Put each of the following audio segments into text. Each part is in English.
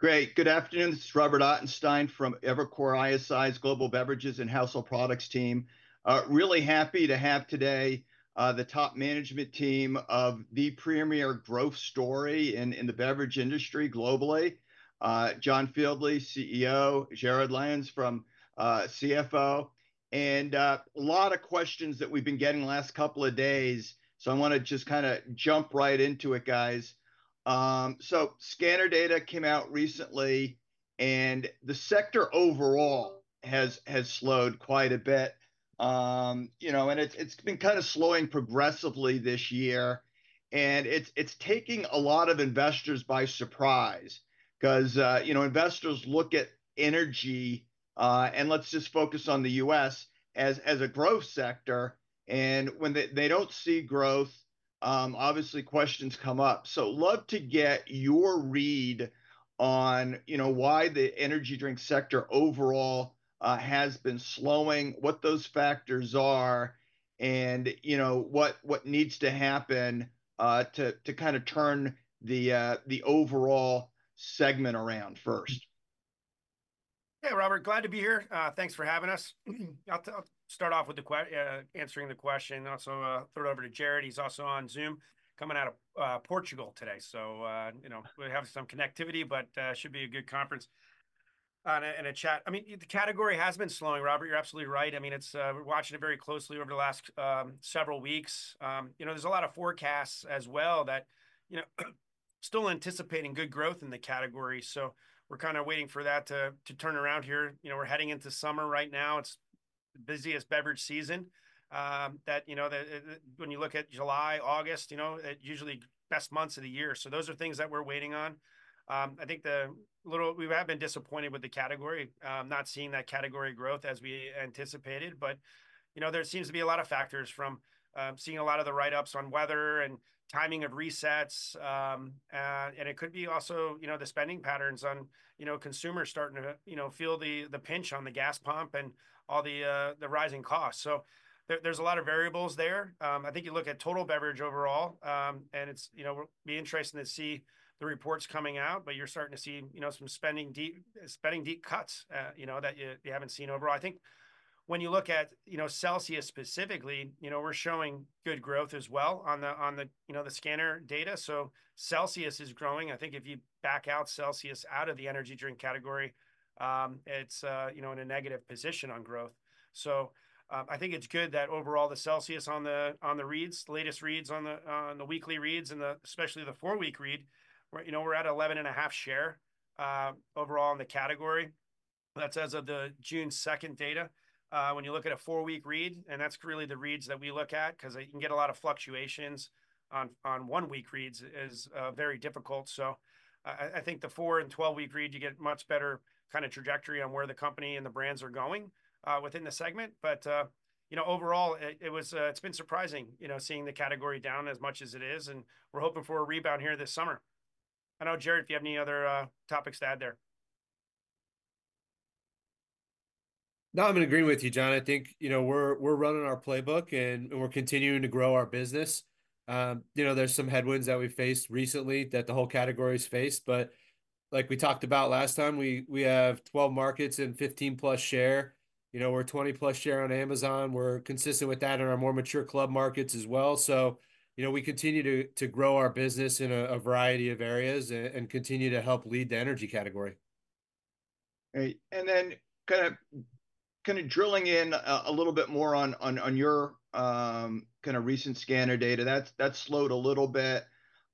Great. Good afternoon, this is Robert Ottenstein from Evercore ISI's Global Beverages and Household Products team. Really happy to have today the top management team of the premier growth story in the beverage industry globally. John Fieldly, CEO. Jarrod Langhans, CFO. A lot of questions that we've been getting the last couple of days, so I wanna just kinda jump right into it, guys. So scanner data came out recently, and the sector overall has slowed quite a bit. You know, and it's been kind of slowing progressively this year, and it's taking a lot of investors by surprise. 'Cause, you know, investors look at energy, and let's just focus on the U.S., as a growth sector, and when they don't see growth, obviously questions come up. So, love to get your read on, you know, why the energy drink sector overall has been slowing, what those factors are, and, you know, what needs to happen to kind of turn the overall segment around first? Hey, Robert, glad to be here. Thanks for having us. I'll start off with answering the question, also throw it over to Jarrod. He's also on Zoom, coming out of Portugal today. So, you know, we have some connectivity, but should be a good conference and a chat. I mean, the category has been slowing, Robert. You're absolutely right. I mean, it's, we're watching it very closely over the last several weeks. You know, there's a lot of forecasts as well that, you know, still anticipating good growth in the category, so we're kind of waiting for that to turn around here. You know, we're heading into summer right now. It's the busiest beverage season. That, you know, when you look at July, August, you know, usually best months of the year. So those are things that we're waiting on. I think we have been disappointed with the category, not seeing that category growth as we anticipated, but, you know, there seems to be a lot of factors, from seeing a lot of the write-ups on weather and timing of resets. And it could be also, you know, the spending patterns on, you know, consumers starting to, you know, feel the, the pinch on the gas pump and all the, the rising costs. So there, there's a lot of variables there. I think you look at total beverage overall, and it's, you know, will be interesting to see the reports coming out, but you're starting to see, you know, some spending deep cuts, you know, that you, you haven't seen overall. I think when you look at, you know, Celsius specifically, you know, we're showing good growth as well on the, you know, the scanner data. So Celsius is growing. I think if you back out Celsius out of the energy drink category, it's, you know, in a negative position on growth. So, I think it's good that overall the Celsius on the reads, latest reads, on the weekly reads and the, especially the four-week read, where, you know, we're at 11.5 share, overall in the category. That's as of the June 2nd data. When you look at a four-week read, and that's really the reads that we look at, 'cause you can get a lot of fluctuations on one-week reads is very difficult. So I think the 4- and 12-week read, you get much better kind of trajectory on where the company and the brands are going within the segment. But you know, overall, it, it was, it's been surprising, you know, seeing the category down as much as it is, and we're hoping for a rebound here this summer. I don't know, Jarrod, if you have any other topics to add there. No, I agree with you, John. I think, you know, we're running our playbook, and we're continuing to grow our business. You know, there's some headwinds that we've faced recently that the whole category's faced, but like we talked about last time, we have 12 markets and 15+ share. You know, we're 20+ share on Amazon. We're consistent with that in our more mature club markets as well. So, you know, we continue to grow our business in a variety of areas and continue to help lead the energy category. Great, and then kind of drilling in a little bit more on your kind of recent scanner data, that's slowed a little bit.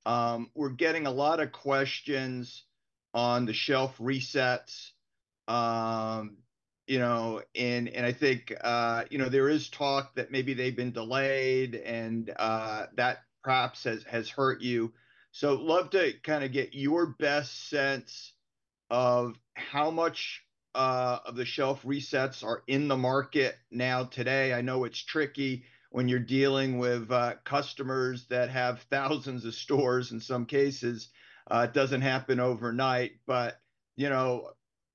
We're getting a lot of questions on the shelf resets. You know, and I think you know, there is talk that maybe they've been delayed and that perhaps has hurt you. So love to kind of get your best sense of how much of the shelf resets are in the market now today. I know it's tricky when you're dealing with customers that have thousands of stores in some cases. It doesn't happen overnight, but you know,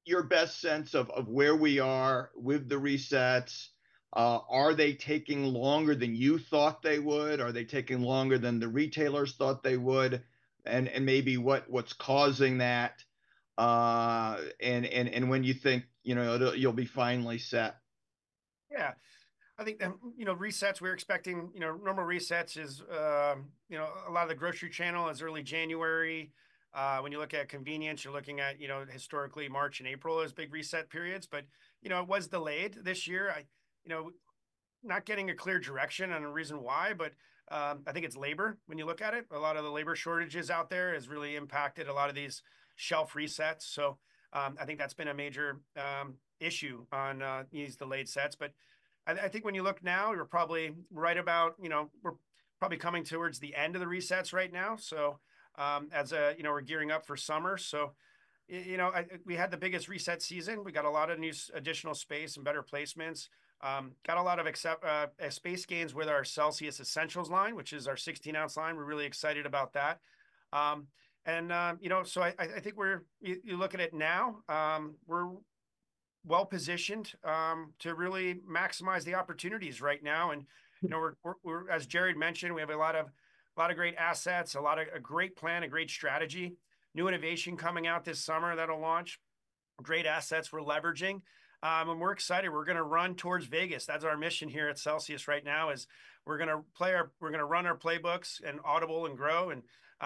your best sense of where we are with the resets. Are they taking longer than you thought they would? Are they taking longer than the retailers thought they would? And maybe what's causing that, and when you think, you know, it'll... you'll be finally set. Yeah. I think the, you know, resets we're expecting, you know, normal resets is, you know, a lot of the grocery channel is early January. When you look at convenience, you're looking at, you know, historically, March and April is big reset periods. But, you know, it was delayed this year. You know, not getting a clear direction and a reason why, but, I think it's labor when you look at it. A lot of the labor shortages out there has really impacted a lot of these shelf resets, so, I think that's been a major issue on these delayed sets. But I think when you look now, you're probably right about, you know, we're probably coming towards the end of the resets right now, so, as you know, we're gearing up for summer. So you know, we had the biggest reset season. We got a lot of new additional space and better placements. Got a lot of space gains with our Celsius Essentials line, which is our 16-ounce line. We're really excited about that. And you know, so I think you look at it now, we're well-positioned to really maximize the opportunities right now. And- Mm You know, we're, as Jarrod mentioned, we have a lot of great assets, a great plan, a great strategy, new innovation coming out this summer that'll launch, great assets we're leveraging. And we're excited. We're gonna run towards Vegas. That's our mission here at Celsius right now, is we're gonna run our playbooks and audible and grow and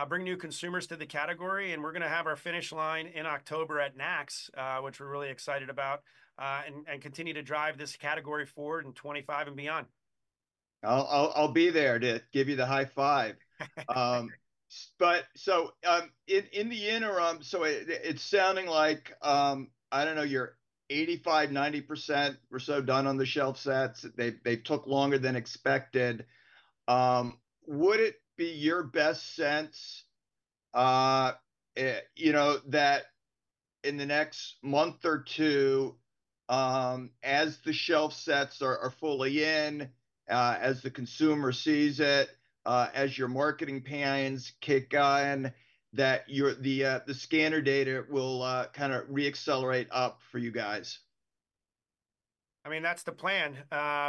bring new consumers to the category, and we're gonna have our finish line in October at NACS, which we're really excited about, and continue to drive this category forward in 2025 and beyond. I'll be there to give you the high five. But in the interim, it's sounding like, I don't know, you're 85%-90% or so done on the shelf sets. They took longer than expected. Would it be your best sense, you know, that in the next month or two, as the shelf sets are fully in, as the consumer sees it, as your marketing plans kick in, that your scanner data will kinda re-accelerate up for you guys? I mean, that's the plan.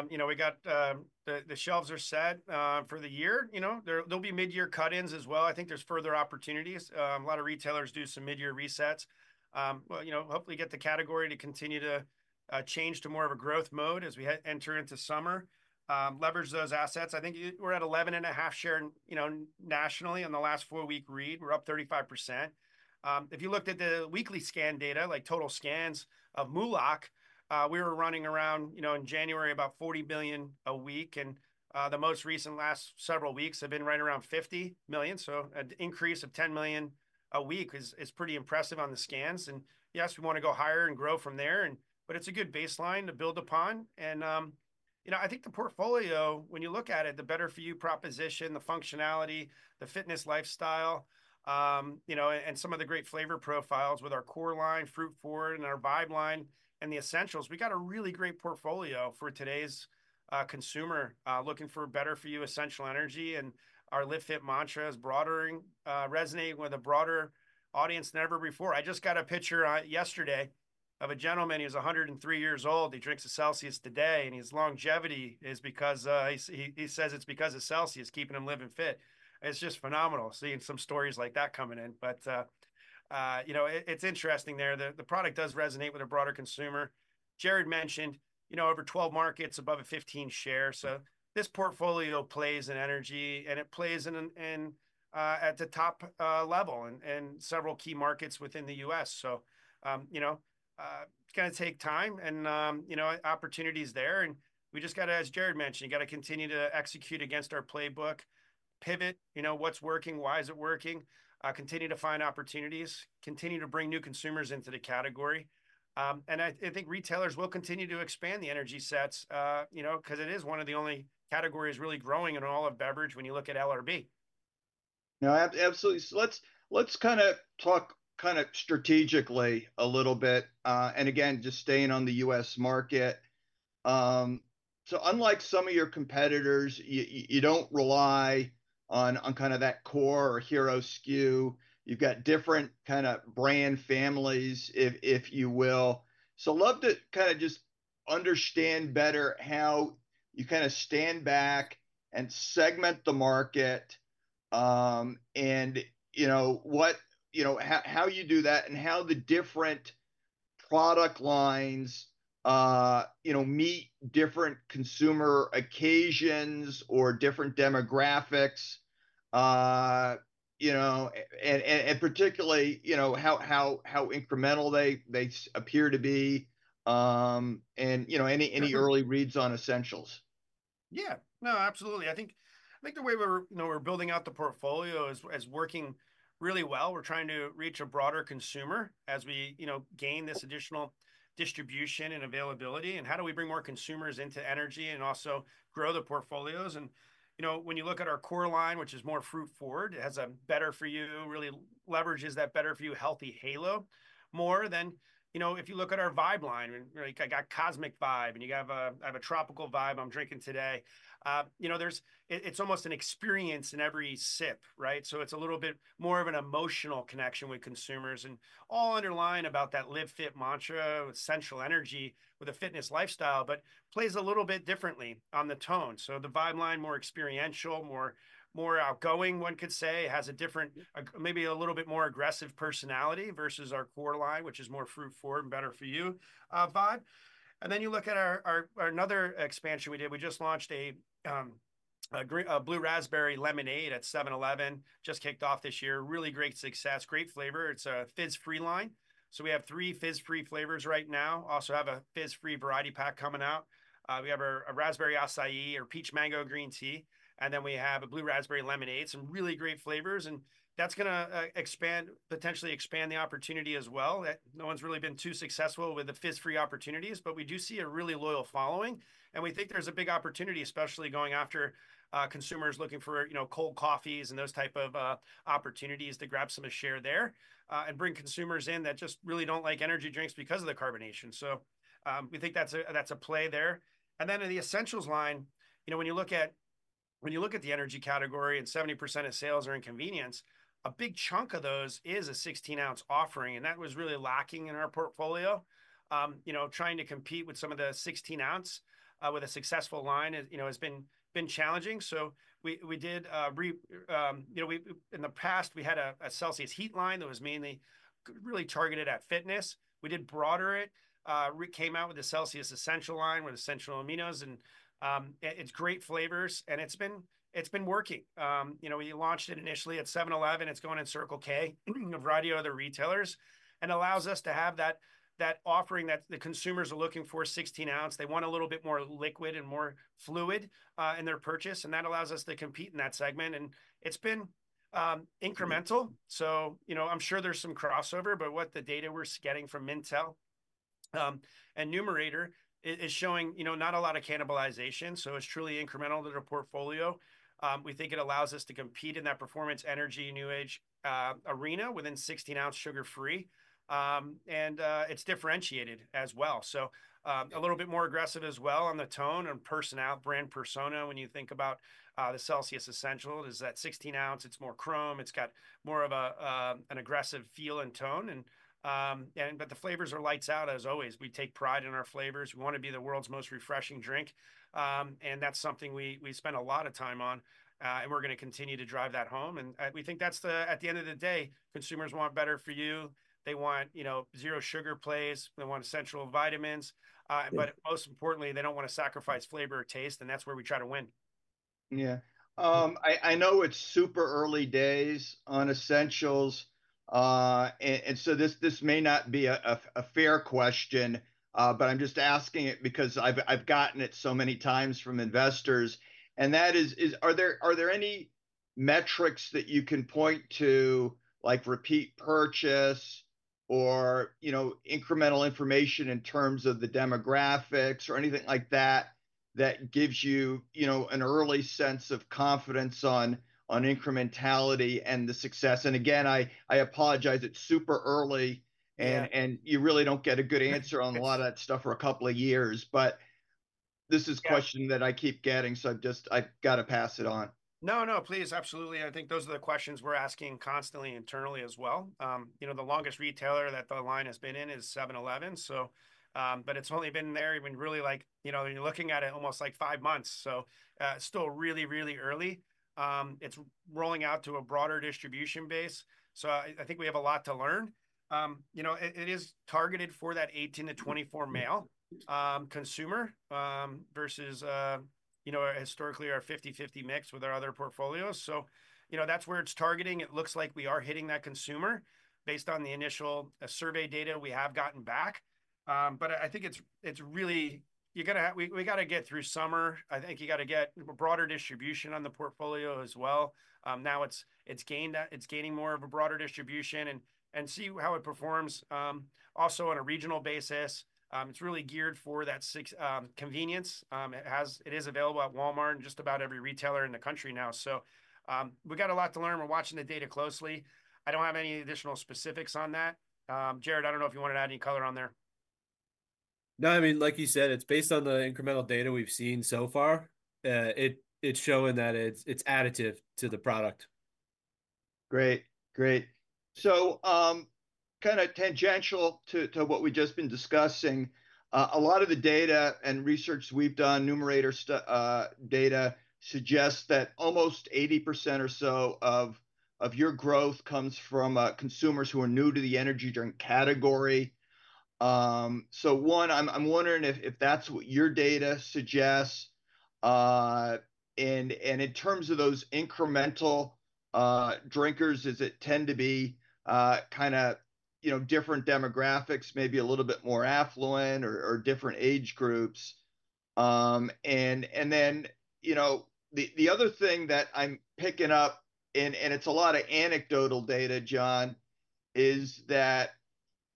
You know, we got the shelves are set for the year, you know? There'll be midyear cut-ins as well. I think there's further opportunities. A lot of retailers do some midyear resets. Well, you know, hopefully get the category to continue to change to more of a growth mode as we enter into summer, leverage those assets. I think we're at 11.5 share, you know, nationally in the last 4-week read. We're up 35%. If you looked at the weekly scan data, like total scans of MULO, we were running around, you know, in January, about 40 billion a week, and the most recent last several weeks have been right around 50 million, so an increase of 10 million a week is pretty impressive on the scans. Yes, we wanna go higher and grow from there, but it's a good baseline to build upon. You know, I think the portfolio, when you look at it, the better-for-you proposition, the functionality, the fitness lifestyle, you know, and some of the great flavor profiles with our core line, fruit forward, and our Vibe line and the Essentials, we got a really great portfolio for today's consumer looking for better-for-you essential energy. And our Live Fit mantra is broadening, resonating with a broader audience than ever before. I just got a picture yesterday of a gentleman; he was 103 years old. He drinks a Celsius today, and his longevity is because he says it's because of Celsius, keeping him live and fit. It's just phenomenal seeing some stories like that coming in. But, you know, it's interesting there. The product does resonate with a broader consumer. Jarrod mentioned, you know, over 12 markets, above a 15 share, so this portfolio plays in energy, and it plays in at the top level in several key markets within the U.S. So, you know, it's gonna take time and, you know, opportunity's there, and we just gotta, as Jarrod mentioned, gotta continue to execute against our playbook, pivot, you know, what's working, why is it working, continue to find opportunities, continue to bring new consumers into the category. And I think retailers will continue to expand the energy sets, you know, 'cause it is one of the only categories really growing in all of beverage when you look at LRB. No, absolutely. So let's, let's kinda talk kinda strategically a little bit, and again, just staying on the U.S. market. So unlike some of your competitors, you don't rely on, on kind of that core or hero SKU. You've got different kinda brand families, if, if you will. So love to kinda just understand better how you kinda stand back and segment the market, and you know, what you know, how, how you do that and how the different product lines, you know, meet different consumer occasions or different demographics, and, and particularly, you know, how, how, how incremental they, they appear to be, and, you know, any, any- Sure Early reads on Essentials? Yeah. No, absolutely. I think, I think the way we're, you know, we're building out the portfolio is, is working really well. We're trying to reach a broader consumer as we, you know, gain this additional distribution and availability, and how do we bring more consumers into energy and also grow the portfolios? And, you know, when you look at our core line, which is more Fruit Forward, it has a better for you, really leverages that better-for-you healthy halo more than, you know, if you look at our VIBE line, and, like, I got Cosmic Vibe, and you have a- I have a Tropical Vibe I'm drinking today. You know, there's it, it's almost an experience in every sip, right? So it's a little bit more of an emotional connection with consumers and all underlining about that live fit mantra with essential energy, with a fitness lifestyle, but plays a little bit differently on the tone. So the VIBE line, more experiential, more outgoing, one could say, has a different, maybe a little bit more aggressive personality versus our core line, which is more fruit forward and better for you, vibe. And then you look at our, another expansion we did. We just launched a Blue Razz Lemonade at 7-Eleven, just kicked off this year. Really great success, great flavor. It's a Fizz-Free line. So we have three Fizz-Free flavors right now, also have a Fizz-Free variety pack coming out. We have a Raspberry Acai, a Peach Mango Green Tea, and then we have a Blue Razz Lemonade. Some really great flavors, and that's gonna expand, potentially expand the opportunity as well. No one's really been too successful with the Fizz-Free opportunities, but we do see a really loyal following, and we think there's a big opportunity, especially going after consumers looking for, you know, cold coffees and those type of opportunities to grab some of share there, and bring consumers in that just really don't like energy drinks because of the carbonation. So, we think that's a, that's a play there. And then in the Essentials line, you know, when you look at the energy category and 70% of sales are in convenience, a big chunk of those is a 16-ounce offering, and that was really lacking in our portfolio. You know, trying to compete with some of the 16-ounce, with a successful line, you know, has been challenging. So we did, you know, in the past, we had a Celsius Heat line that was mainly really targeted at fitness. We did broader it. We came out with the Celsius Essentials line, with essential aminos and it's great flavors, and it's been working. You know, we launched it initially at 7-Eleven. It's going in Circle K, a variety of other retailers, and allows us to have that offering that the consumers are looking for, 16-ounce. They want a little bit more liquid and more fluid in their purchase, and that allows us to compete in that segment, and it's been incremental. So, you know, I'm sure there's some crossover, but what the data we're getting from Mintel and Numerator is showing, you know, not a lot of cannibalization, so it's truly incremental to our portfolio. We think it allows us to compete in that performance, energy, new age arena within 16-ounce sugar-free. And it's differentiated as well. So, a little bit more aggressive as well on the tone and personal brand persona when you think about the Celsius Essentials. It is at 16-ounce, it's more chrome, it's got more of a an aggressive feel and tone, and... And but the flavors are lights out, as always. We take pride in our flavors. We wanna be the world's most refreshing drink. That's something we spend a lot of time on, and we're gonna continue to drive that home, and we think that's the... At the end of the day, consumers want better-for-you. They want, you know, zero sugar plays, they want essential vitamins, but most importantly, they don't wanna sacrifice flavor or taste, and that's where we try to win. Yeah. I know it's super early days on Essentials, and so this may not be a fair question, but I'm just asking it because I've gotten it so many times from investors. And that is... Are there any metrics that you can point to, like repeat purchase or, you know, incremental information in terms of the demographics or anything like that, that gives you, you know, an early sense of confidence on incrementality and the success? And again, I apologize, it's super early- Yeah... and you really don't get a good answer on a lot of that stuff for a couple of years. But this is- Yeah... a question that I keep getting, so I just, I've gotta pass it on. No, no, please. Absolutely, and I think those are the questions we're asking constantly internally as well. You know, the longest retailer that the line has been in is 7-Eleven, so, but it's only been there even really, like, you know, you're looking at it almost, like, five months. So, still really, really early. It's rolling out to a broader distribution base, so I, I think we have a lot to learn. You know, it, it is targeted for that 18-24 male consumer, versus, you know, historically our 50/50 mix with our other portfolios. So, you know, that's where it's targeting. It looks like we are hitting that consumer based on the initial survey data we have gotten back. But I think it's, it's really... We gotta get through summer. I think you gotta get a broader distribution on the portfolio as well. Now it's gaining more of a broader distribution, and see how it performs, also on a regional basis. It's really geared for that six, convenience. It is available at Walmart and just about every retailer in the country now. So, we've got a lot to learn. We're watching the data closely. I don't have any additional specifics on that. Jarrod, I don't know if you want to add any color on there. No, I mean, like you said, it's based on the incremental data we've seen so far. It's showing that it's additive to the product. Great, great. So, kind of tangential to what we've just been discussing, a lot of the data and research we've done, Numerator data, suggests that almost 80% or so of your growth comes from consumers who are new to the energy drink category. So, I'm wondering if that's what your data suggests. And in terms of those incremental drinkers, does it tend to be kind of, you know, different demographics, maybe a little bit more affluent or different age groups? And then, you know, the other thing that I'm picking up, and it's a lot of anecdotal data, John,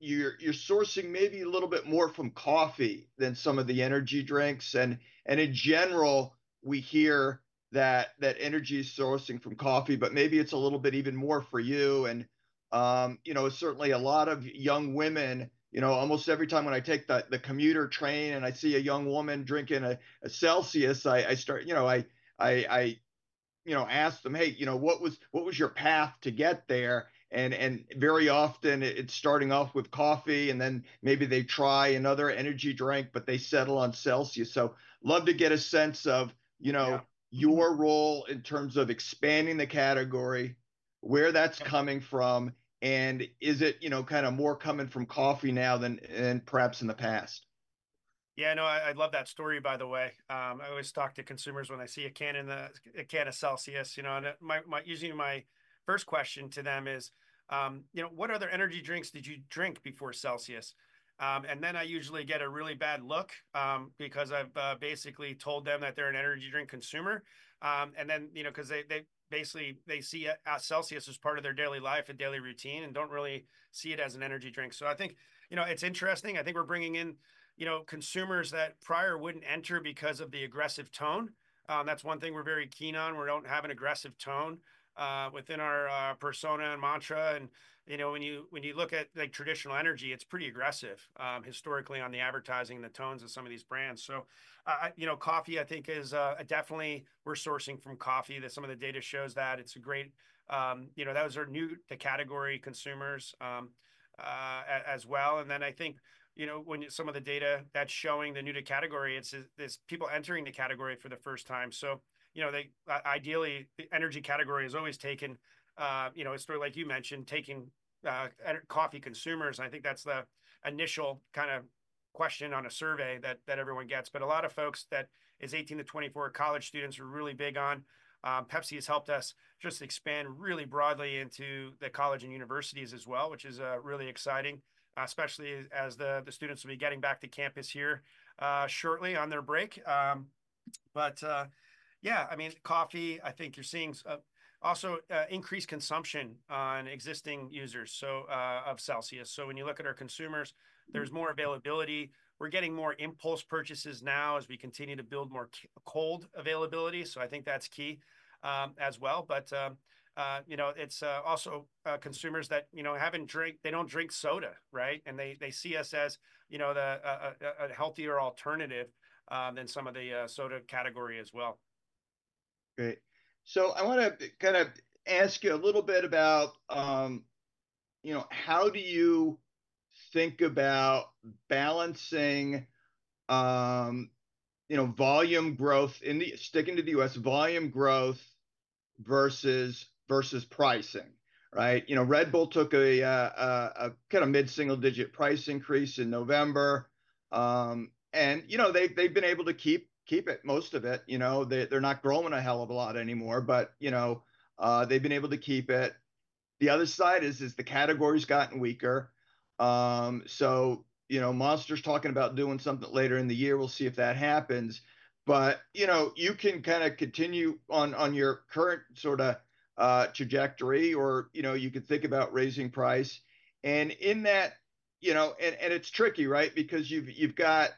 is that you're sourcing maybe a little bit more from coffee than some of the energy drinks. And in general, we hear that energy is sourcing from coffee, but maybe it's a little bit even more for you. And, you know, certainly a lot of young women... You know, almost every time when I take the commuter train and I see a young woman drinking a Celsius, I, you know, ask them: "Hey, you know, what was... What was your path to get there?" And very often it's starting off with coffee, and then maybe they try another energy drink, but they settle on Celsius. So love to get a sense of, you know- Yeah... your role in terms of expanding the category, where that's coming from, and is it, you know, kind of more coming from coffee now than perhaps in the past?... Yeah, no, I love that story, by the way. I always talk to consumers when I see a can in the, a can of Celsius, you know, and usually my first question to them is, you know, "What other energy drinks did you drink before Celsius?" And then I usually get a really bad look, because I've basically told them that they're an energy drink consumer. And then, you know, 'cause they basically see Celsius as part of their daily life and daily routine and don't really see it as an energy drink. So I think, you know, it's interesting. I think we're bringing in, you know, consumers that prior wouldn't enter because of the aggressive tone. That's one thing we're very keen on. We don't have an aggressive tone within our persona and mantra. And, you know, when you, when you look at, like, traditional energy, it's pretty aggressive historically, on the advertising and the tones of some of these brands. So, you know, coffee, I think, is definitely we're sourcing from coffee, that some of the data shows that it's a great. You know, those are new to category consumers as well. And then I think, you know, when some of the data that's showing the new to category, it's, it's people entering the category for the first time. So, you know, they ideally, the energy category has always taken, you know, a story like you mentioned, taking coffee consumers, and I think that's the initial kind of question on a survey that everyone gets. But a lot of folks that is 18-24 college students are really big on. Pepsi has helped us just expand really broadly into the college and universities as well, which is really exciting, especially as the students will be getting back to campus here shortly on their break. But yeah, I mean, coffee, I think you're seeing also increased consumption on existing users, so of Celsius. So when you look at our consumers, there's more availability. We're getting more impulse purchases now as we continue to build more cold availability, so I think that's key as well. But you know, it's also consumers that, you know, haven't drank... They don't drink soda, right? And they see us as, you know, a healthier alternative than some of the soda category as well. Great. So I wanna kind of ask you a little bit about, you know, how do you think about balancing, you know, volume growth in the... Sticking to the U.S., volume growth versus pricing, right? You know, Red Bull took a kind of mid-single digit price increase in November, and, you know, they've been able to keep most of it. You know, they're not growing a hell of a lot anymore, but, you know, they've been able to keep it. The other side is the category's gotten weaker. So, you know, Monster's talking about doing something later in the year. We'll see if that happens. But, you know, you can kind of continue on your current sort of trajectory, or, you know, you could think about raising price. And in that, you know, it's tricky, right? Because you've got,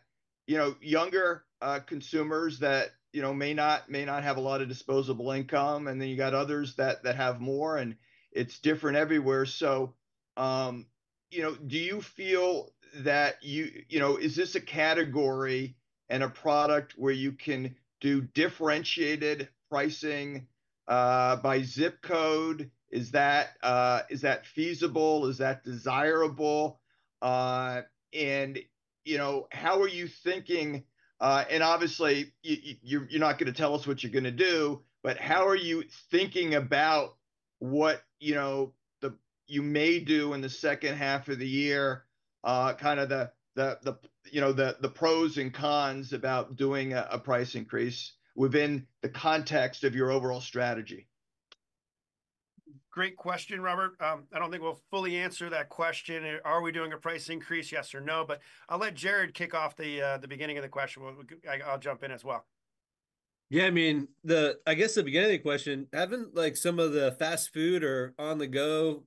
you know, younger consumers that, you know, may not have a lot of disposable income, and then you got others that have more, and it's different everywhere. So, you know, do you feel that you know, is this a category and a product where you can do differentiated pricing by zip code? Is that feasible? Is that desirable? And, you know, how are you thinking? And obviously, you're not gonna tell us what you're gonna do, but how are you thinking about what, you know, you may do in the second half of the year, kind of the pros and cons about doing a price increase within the context of your overall strategy? Great question, Robert. I don't think we'll fully answer that question, are we doing a price increase, yes or no? But I'll let Jarrod kick off the beginning of the question. Well, I'll jump in as well. Yeah, I mean, I guess the beginning of the question, haven't, like, some of the fast food or on-the-go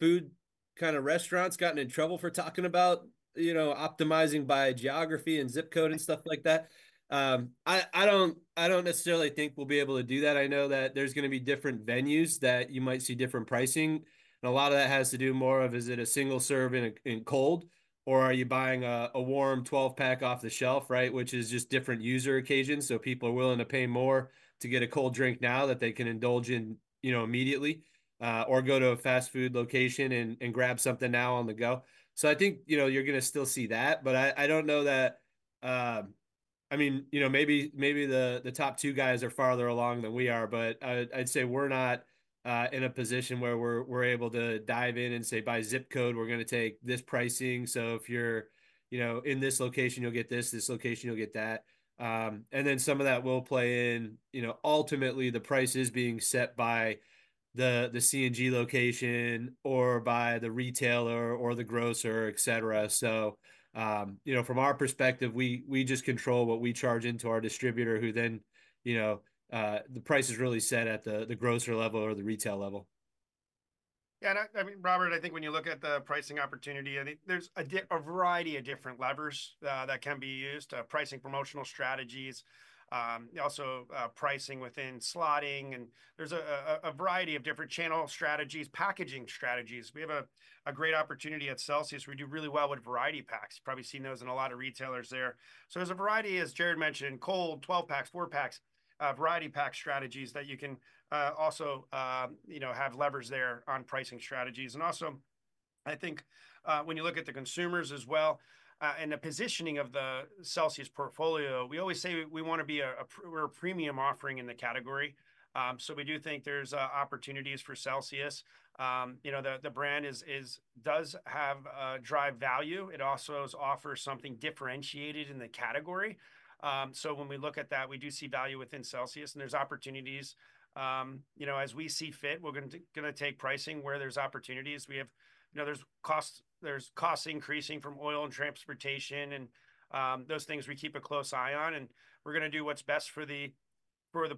food kind of restaurants gotten in trouble for talking about, you know, optimizing by geography and zip code and stuff like that? I don't necessarily think we'll be able to do that. I know that there's gonna be different venues that you might see different pricing, and a lot of that has to do more of, is it a single serve in cold, or are you buying a warm 12-pack off the shelf, right? Which is just different user occasions, so people are willing to pay more to get a cold drink now that they can indulge in, you know, immediately, or go to a fast food location and grab something now on the go. So I think, you know, you're gonna still see that, but I, I don't know that... I mean, you know, maybe, maybe the, the top two guys are farther along than we are, but I, I'd say we're not in a position where we're, we're able to dive in and say, "By zip code, we're gonna take this pricing, so if you're, you know, in this location, you'll get this, this location, you'll get that." And then some of that will play in, you know, ultimately the price is being set by the, the C&G location, or by the retailer, or the grocer, et cetera. So, you know, from our perspective, we, we just control what we charge into our distributor, who then, you know, the price is really set at the, the grocer level or the retail level. Yeah, and I mean, Robert, I think when you look at the pricing opportunity, I think there's a variety of different levers that can be used, pricing, promotional strategies, also, pricing within slotting, and there's a variety of different channel strategies, packaging strategies. We have a great opportunity at Celsius. We do really well with variety packs. You've probably seen those in a lot of retailers there. So there's a variety, as Jarrod mentioned, cold 12-packs, 4-packs, variety pack strategies that you can also, you know, have levers there on pricing strategies. And also, I think, when you look at the consumers as well, and the positioning of the Celsius portfolio, we always say we wanna be a premium offering in the category. So we do think there's opportunities for Celsius. You know, the brand does have drive value. It also offers something differentiated in the category. So when we look at that, we do see value within Celsius, and there's opportunities. You know, as we see fit, we're gonna take pricing where there's opportunities. You know, there's costs increasing from oil and transportation, and those things, we keep a close eye on, and we're gonna do what's best for the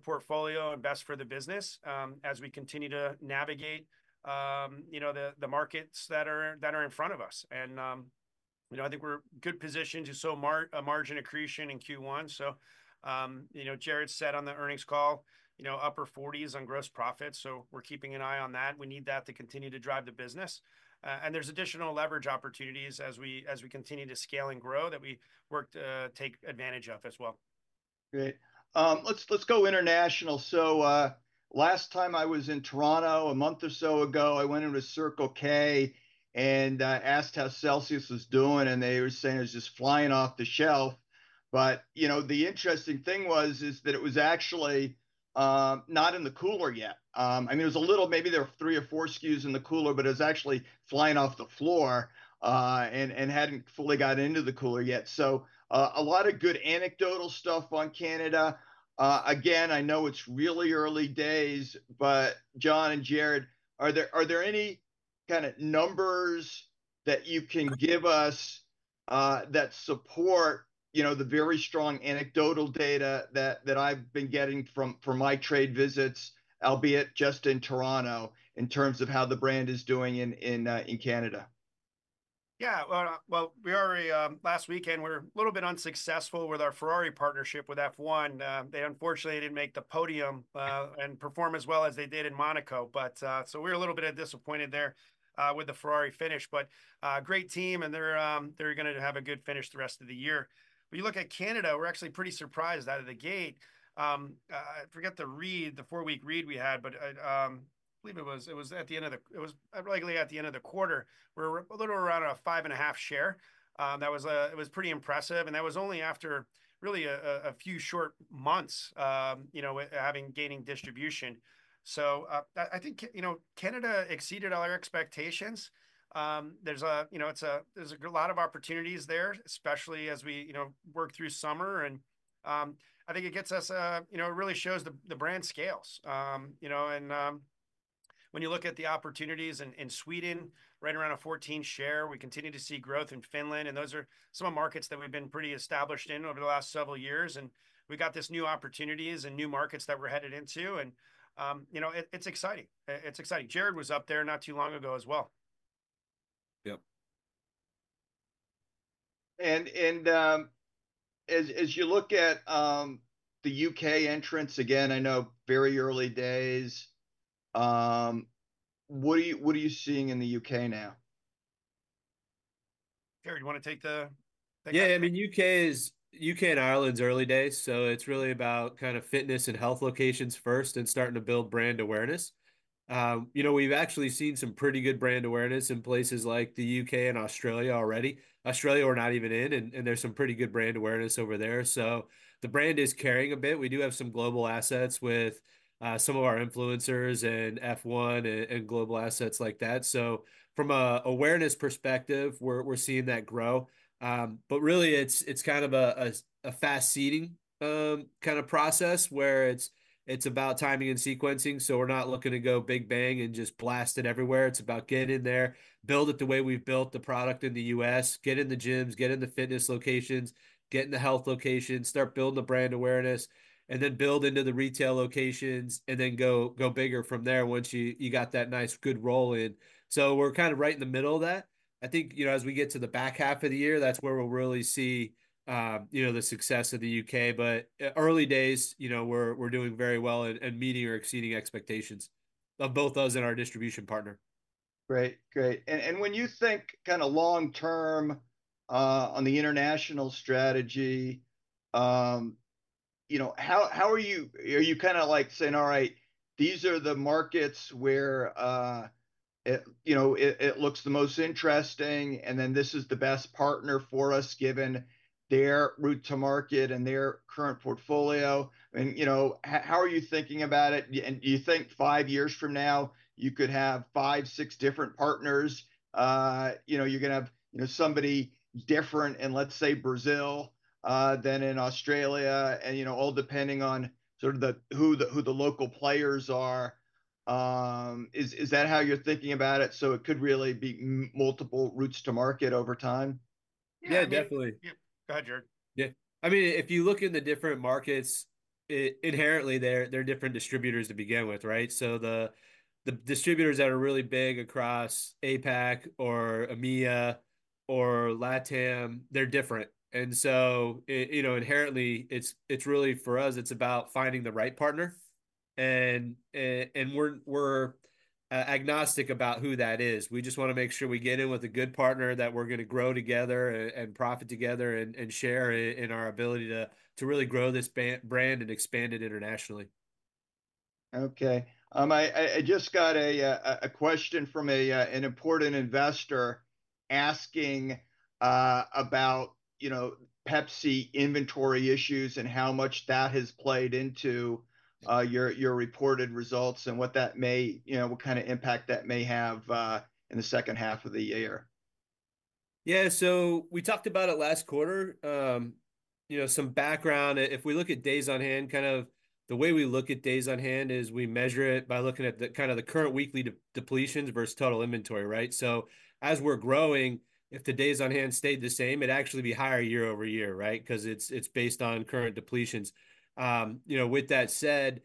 portfolio and best for the business, as we continue to navigate, you know, the markets that are in front of us. You know, I think we're good position to see a margin accretion in Q1. So, you know, Jarrod said on the earnings call, you know, upper 40s on gross profit, so we're keeping an eye on that. We need that to continue to drive the business. And there's additional leverage opportunities as we continue to scale and grow, that we work to take advantage of as well. Great. Let's go international. So, last time I was in Toronto, a month or so ago, I went into Circle K and asked how Celsius was doing, and they were saying it was just flying off the shelf. But, you know, the interesting thing was that it was actually not in the cooler yet. I mean, there was a little, maybe there were three or four SKUs in the cooler, but it was actually flying off the floor, and hadn't fully got into the cooler yet. So, a lot of good anecdotal stuff on Canada. Again, I know it's really early days, but John and Jarrod, are there any kind of numbers that you can give us that support, you know, the very strong anecdotal data that I've been getting from my trade visits, albeit just in Toronto, in terms of how the brand is doing in Canada? Yeah. Well, well... Last weekend, we were a little bit unsuccessful with our Ferrari partnership with F1. They unfortunately didn't make the podium and perform as well as they did in Monaco. But, so we're a little bit disappointed there with the Ferrari finish, but great team, and they're gonna have a good finish the rest of the year. When you look at Canada, we're actually pretty surprised out of the gate. I forget the read, the four-week read we had, but I believe it was, it was at the end of the... It was likely at the end of the quarter, we're a little around a 5.5 share. That was, it was pretty impressive, and that was only after really a few short months, you know, with having gaining distribution. I think Canada exceeded all our expectations. There's a lot of opportunities there, especially as we, you know, work through summer. I think it gets us, you know, it really shows the brand scales. You know, when you look at the opportunities in Sweden, right around a 14 share, we continue to see growth in Finland, and those are some of the markets that we've been pretty established in over the last several years. We've got this new opportunities and new markets that we're headed into, and, you know, it, it's exciting. It's exciting. Jarrod was up there not too long ago as well. Yep. As you look at the UK entrance, again, I know very early days, what are you seeing in the UK now? Jarrod, you wanna take that? Yeah, I mean, UK and Ireland's early days, so it's really about kind of fitness and health locations first and starting to build brand awareness. You know, we've actually seen some pretty good brand awareness in places like the UK and Australia already. Australia, we're not even in, and there's some pretty good brand awareness over there. So the brand is carrying a bit. We do have some global assets with some of our influencers and F1 and global assets like that. So from an awareness perspective, we're seeing that grow. But really it's kind of a fast seeding kind of process, where it's about timing and sequencing. So we're not looking to go big bang and just blast it everywhere. It's about get in there, build it the way we've built the product in the U.S., get in the gyms, get in the fitness locations, get in the health locations, start building the brand awareness, and then build into the retail locations, and then go, go bigger from there once you, you got that nice, good roll in. So we're kind of right in the middle of that. I think, you know, as we get to the back half of the year, that's where we'll really see, you know, the success of the U.K. But, early days, you know, we're, we're doing very well at, at meeting or exceeding expectations of both us and our distribution partner. Great. Great. And when you think kind of long term on the international strategy, you know, how are you... Are you kind of like saying, "All right, these are the markets where it, you know, it looks the most interesting, and then this is the best partner for us, given their route to market and their current portfolio"? And, you know, how are you thinking about it? And do you think five years from now, you could have five, six different partners? You know, you're gonna have, you know, somebody different in, let's say, Brazil than in Australia, and, you know, all depending on sort of the who the local players are. Is that how you're thinking about it, so it could really be multiple routes to market over time? Yeah, I mean- Yeah, definitely. Yeah. Go ahead, Jarrod. Yeah. I mean, if you look in the different markets, inherently, there are different distributors to begin with, right? So the distributors that are really big across APAC or EMEA or LATAM, they're different. And so you know, inherently, it's really, for us, it's about finding the right partner. And we're agnostic about who that is. We just wanna make sure we get in with a good partner, that we're gonna grow together and profit together and share in our ability to really grow this brand and expand it internationally.... Okay. I just got a question from an important investor asking about, you know, Pepsi inventory issues and how much that has played into your reported results and what kind of impact that may have in the second half of the year? Yeah, so we talked about it last quarter. You know, some background, if we look at days on hand, kind of the way we look at days on hand is we measure it by looking at the kind of the current weekly depletions versus total inventory, right? So as we're growing, if the days on hand stayed the same, it'd actually be higher year-over-year, right? 'Cause it's, it's based on current depletions. You know, with that said,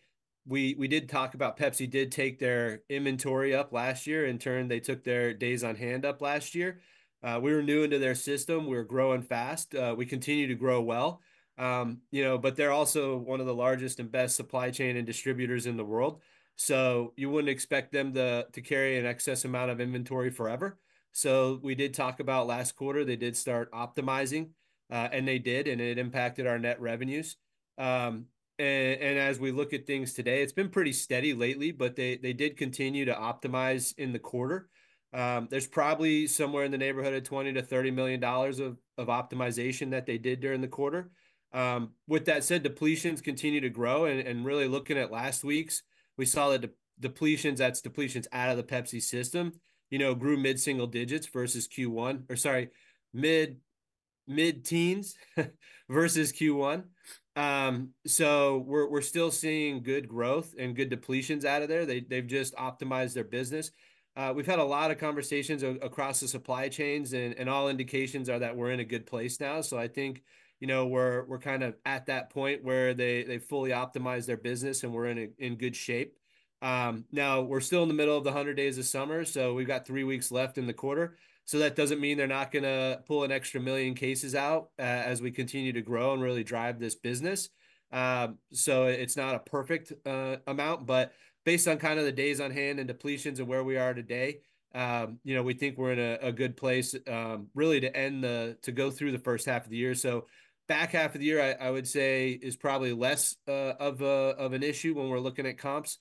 we, we did talk about Pepsi did take their inventory up last year. In turn, they took their days on hand up last year. We were new into their system. We were growing fast. We continue to grow well. You know, but they're also one of the largest and best supply chain and distributors in the world, so you wouldn't expect them to carry an excess amount of inventory forever. So we did talk about last quarter, they did start optimizing, and they did, and it impacted our net revenues. And as we look at things today, it's been pretty steady lately, but they did continue to optimize in the quarter. There's probably somewhere in the neighborhood of $20-$30 million of optimization that they did during the quarter. With that said, depletions continue to grow, and really looking at last week's, we saw the depletions, that's depletions out of the Pepsi system, you know, grew mid-single digits versus Q1. Or sorry, mid-teens versus Q1. So we're still seeing good growth and good depletions out of there. They've just optimized their business. We've had a lot of conversations across the supply chains, and all indications are that we're in a good place now. So I think, you know, we're kind of at that point where they've fully optimized their business and we're in good shape. Now we're still in the middle of the 100 days of summer, so we've got three weeks left in the quarter, so that doesn't mean they're not gonna pull an extra 1 million cases out as we continue to grow and really drive this business. So it's not a perfect amount, but based on kind of the days on hand and depletions and where we are today, you know, we think we're in a good place, really to go through the first half of the year. So back half of the year, I would say is probably less of an issue when we're looking at comps.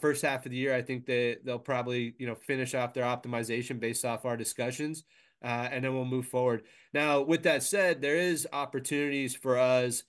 First half of the year, I think they'll probably, you know, finish off their optimization based off our discussions, and then we'll move forward. Now, with that said, there is opportunities for us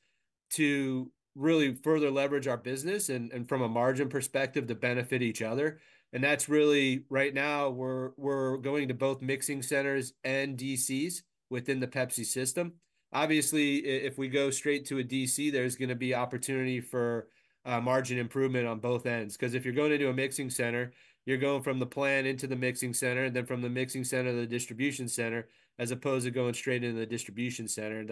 to really further leverage our business and from a margin perspective to benefit each other, and that's really, right now we're going to both mixing centers and DCs within the Pepsi system. Obviously, if we go straight to a DC, there's gonna be opportunity for margin improvement on both ends. 'Cause if you're going into a mixing center, you're going from the plant into the mixing center, and then from the mixing center to the distribution center, as opposed to going straight into the distribution center.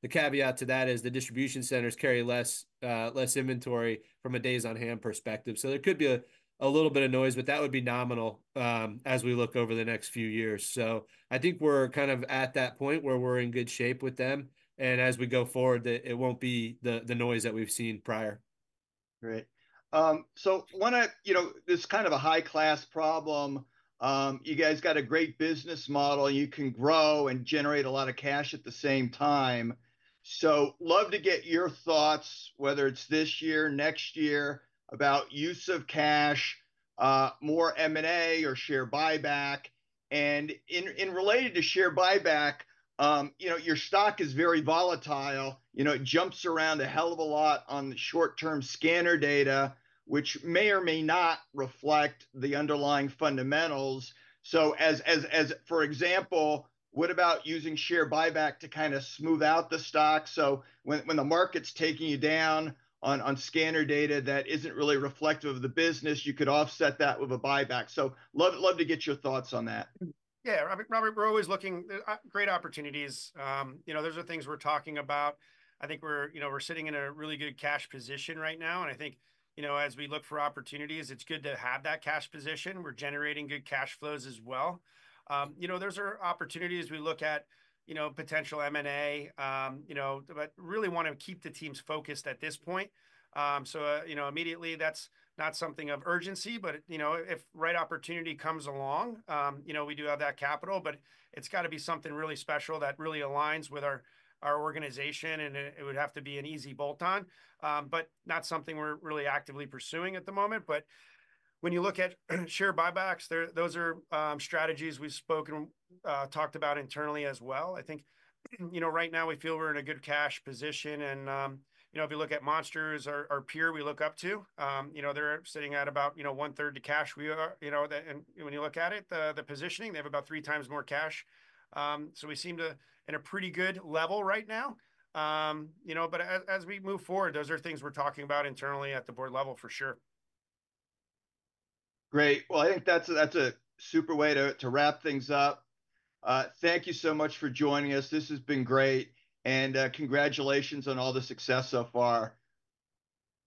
The caveat to that is the distribution centers carry less inventory from a days-on-hand perspective. So there could be a little bit of noise, but that would be nominal as we look over the next few years. So I think we're kind of at that point where we're in good shape with them, and as we go forward, it won't be the noise that we've seen prior. Great. So wanna you know, this is kind of a high-class problem. You guys got a great business model. You can grow and generate a lot of cash at the same time, so love to get your thoughts, whether it's this year, next year, about use of cash, more M&A or share buyback. And in related to share buyback, you know, your stock is very volatile. You know, it jumps around a hell of a lot on the short-term scanner data, which may or may not reflect the underlying fundamentals. So as for example, what about using share buyback to kind of smooth out the stock? So when the market's taking you down on scanner data that isn't really reflective of the business, you could offset that with a buyback. So love, love to get your thoughts on that. Yeah, Robert, we're always looking great opportunities. You know, those are things we're talking about. I think we're, you know, we're sitting in a really good cash position right now, and I think, you know, as we look for opportunities, it's good to have that cash position. We're generating good cash flows as well. You know, those are opportunities. We look at, you know, potential M&A, you know, but really wanna keep the teams focused at this point. So, you know, immediately that's not something of urgency, but, you know, if right opportunity comes along, you know, we do have that capital, but it's gotta be something really special that really aligns with our, our organization, and it, it would have to be an easy bolt-on. But not something we're really actively pursuing at the moment. But when you look at share buybacks, they're those are strategies we've talked about internally as well. I think, you know, right now we feel we're in a good cash position, and, you know, if you look at Monster as our peer we look up to, you know, they're sitting at about, you know, one-third to cash. We are, you know, and when you look at it, the positioning, they have about three times more cash. So we seem to in a pretty good level right now. You know, but as we move forward, those are things we're talking about internally at the board level for sure. Great. Well, I think that's a super way to wrap things up. Thank you so much for joining us. This has been great, and congratulations on all the success so far.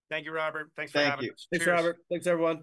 Thank you, Robert. Thanks for having us. Thank you. Cheers. Thanks, Robert. Thanks, everyone.